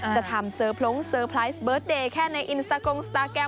จะทำเซอร์พล้งเซอร์ไพรส์เบิร์ตเดย์แค่ในอินสตากงสตาแกรม